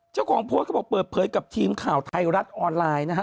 เจ้าของโพสต์เขาบอกเปิดเผยกับทีมข่าวไทยรัฐออนไลน์นะฮะ